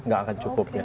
tidak akan cukup ya